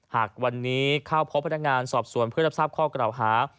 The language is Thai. หากวันนี้เข้าพบพนักงานสอบสวนเพื่อรับทราบข้อกล่าวหา